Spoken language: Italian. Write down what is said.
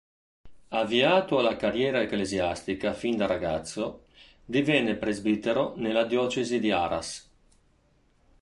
Avviato alla carriera ecclesiastica fin da ragazzo, divenne presbitero nella diocesi di Arras.